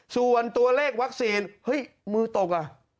ส่วนตัวเลขวัคซีนเฮ้ยมือตกอ่ะ